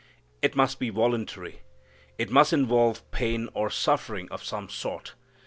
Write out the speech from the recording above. It must be voluntary. It must involve pain or suffering of some sort.